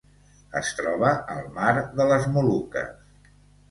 Es troba al Mar de les Moluques.